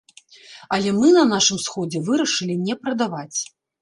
Але мы на нашым сходзе вырашылі не прадаваць.